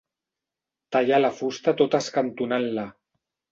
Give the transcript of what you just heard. Talla la fusta tot escantonant-la.